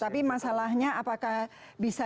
tapi masalahnya apakah bisa